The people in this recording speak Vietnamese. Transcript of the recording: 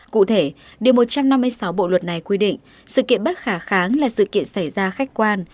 cụ thể điều một trăm năm mươi sáu bộ luật này quy định sự kiện bất khả kháng là sự kiện xảy ra khách quan